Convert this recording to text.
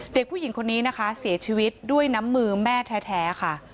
เด็กผู้หญิงคนนี้นะคะเสียชีวิตด้วยน้ำมือแม่แท้ค่ะ